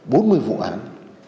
bốn mươi vụ an toàn